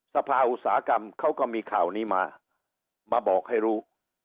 สภาอุตสาหกรรมเขาก็มีข่าวนี้มามาบอกให้รู้